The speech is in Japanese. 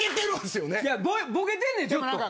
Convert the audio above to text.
ボケてんねんちょっと。